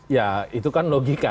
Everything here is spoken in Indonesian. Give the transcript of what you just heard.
ya itu kan logika